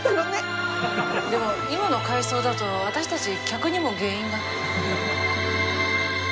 でも今の回想だと私たち客にも原因が。